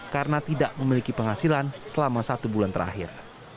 karena tidak memiliki penghasilan selama satu bulan terakhir